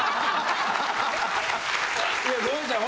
いやごめんなさい